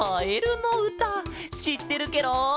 しってるケロ！